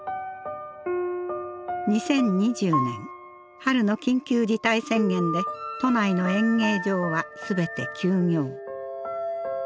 ２０２０年春の緊急事態宣言で都内の演芸場は全て休業。